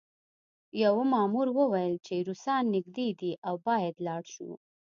یوه مامور وویل چې روسان نږدې دي او باید لاړ شو